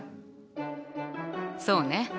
そうね。